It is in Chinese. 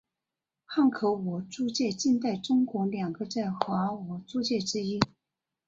汉口俄租界近代中国两个在华俄租界之一。